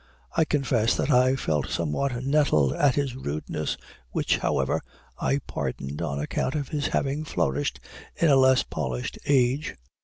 I confess that I felt somewhat nettled at this rudeness, which, however, I pardoned on account of his having flourished in a less polished age.